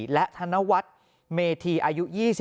และธนวัฒน์เมธีอายุ๒๕